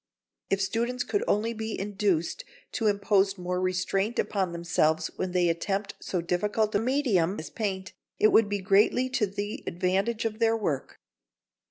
If students could only be induced to impose more restraint upon themselves when they attempt so difficult a medium as paint, it would be greatly to the advantage of their work.